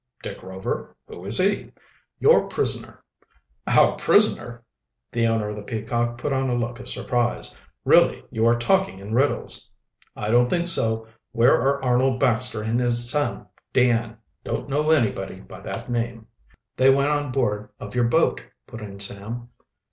"Dick Rover? Who is he?" "Your prisoner." "Our prisoner?" The owner of the Peacock put on a look of surprise. "Really, you are talking in riddles." "I don't think so. Where are Arnold Baxter and his son Dan?" "Don't know anybody by that name." "They went on board of your boat," put in Sam.